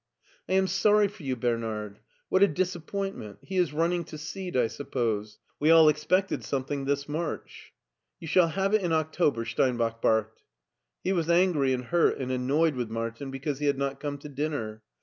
" I am sorry for you, Bernard. What a disappoint ment. He is running to seed, I suppose. We all ex pected something this March." " You shall have it in October," Steinbach barked. He was angry and hurt and annoyed with Martin be cause he had not come to dinner.